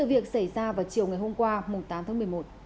vụ việc xảy ra vào chiều ngày hôm qua tám tháng một mươi một